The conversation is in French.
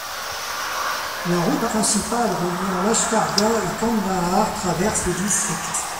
La route principale reliant Lashkar Gah et Kandahar traverse le district.